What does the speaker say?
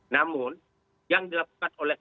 namun yang dilakukan oleh